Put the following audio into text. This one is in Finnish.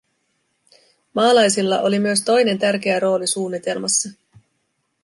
Maalaisilla oli myös toinen tärkeä rooli suunnitelmassa.